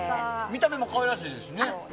見た目も可愛らしいですしね。